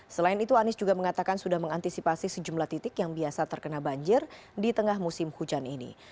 selain itu anies juga mengatakan sudah mengantisipasi sejumlah titik yang biasa terkena banjir di tengah musim hujan ini